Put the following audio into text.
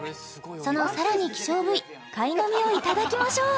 そのさらに希少部位かいのみをいただきましょう